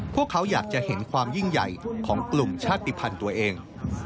พวกเขาอยากจะเห็นความยิ่งใหญ่ของกลุ่มชาติภัณฑ์ตัวเอง